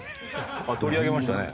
あっ取り上げましたね。